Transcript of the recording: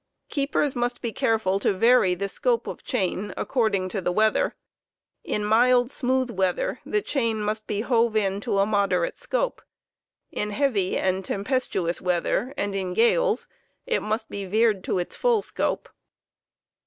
Keepers must be careful "to vary the scope of chain according to* the weather ; ac J' M3 5 ff ri ^J g e in mild smooth weather the chain must be hove in to a moderate scope; in heavy and ° g " tempestuous weather, and in gales, it must be veered to its full scope.